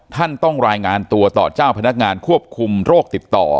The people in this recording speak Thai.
ต้องรายงานตัวต่อเจ้าพนักงานควบคุมโรคติดต่อ